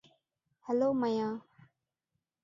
Hello, Maya.